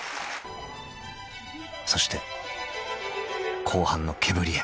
［そして後半の毛振りへ］